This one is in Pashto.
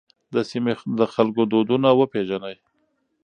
د سیمې د خلکو دودونه وپېژنئ.